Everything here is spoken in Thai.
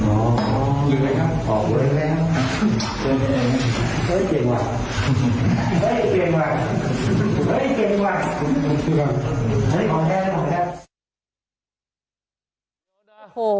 โอ้โห